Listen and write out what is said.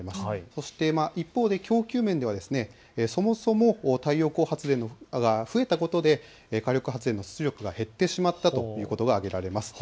そして一方で供給面ではそもそも太陽光発電が増えたことで火力発電の出力が減ってしまったということが挙げられます。